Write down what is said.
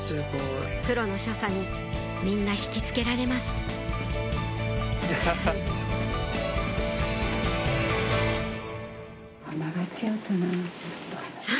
プロの所作にみんな引き付けられますさぁ！